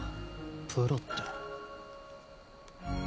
プロって。